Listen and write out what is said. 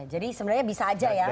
jadi sebenarnya bisa aja ya